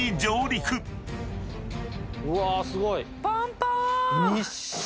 うわすごい！